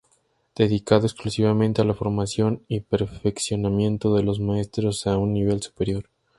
Dedicado exclusivamente a la formación y perfeccionamiento de los maestros a un nivel superior.